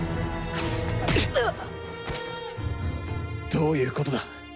どういうことだ！？